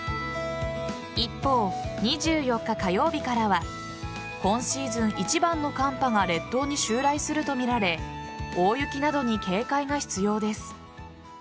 一方、２４日火曜日からは今シーズン一番の寒波が列島に襲来するとみられ大雪などに警戒が必要です。